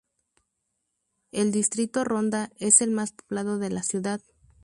El distrito Ronda es el más poblado de la ciudad.